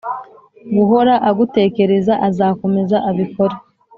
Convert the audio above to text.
Guhora agutekereza azakomeza abikore